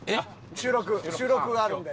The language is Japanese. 収録収録があるんで。